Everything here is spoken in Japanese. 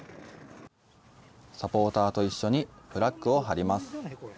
サポーターと一緒にフラッグを張ります。